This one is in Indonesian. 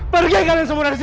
pergi kalian semua dari sini